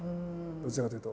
どちらかというと。